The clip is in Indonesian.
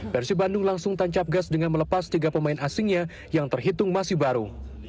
persib bandung langsung tancap gas dengan melepas tiga pemain asingnya yang terhitung masih baru